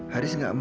haris nggak mau